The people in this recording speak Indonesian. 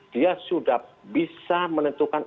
dia sudah bisa menentukan